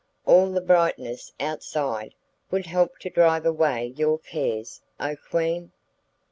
All the brightness outside would help to drive away your cares, O Queen.